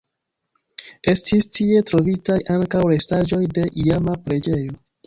Estis tie trovitaj ankaŭ restaĵoj de iama preĝejo.